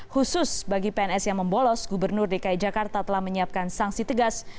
khusus bagi pns yang membolos gubernur dki jakarta telah menyiapkan sanksi tegas